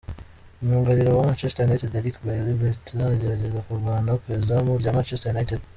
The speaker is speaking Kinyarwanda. Myugariro wa Manchester United Eric Bailly Bertrand agerageza kurwana ku izamu rya Manchester United.